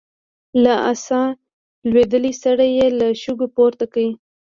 له آسه لوېدلی سړی يې له شګو پورته کړ.